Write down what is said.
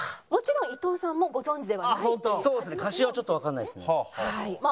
もちろん伊藤さんもご存じではない。